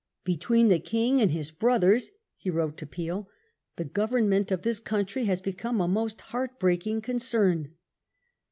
"Between the King and his brothers," he wrote to Peel, "the government of this country has become a most heart breaking concern."